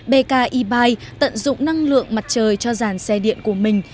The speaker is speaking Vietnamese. bk e bike tận dụng năng lượng mặt trời cho giàn xe điện của mình